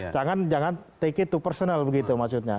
jangan take it to personal begitu maksudnya